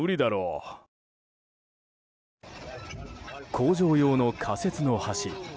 工場用の仮設の橋。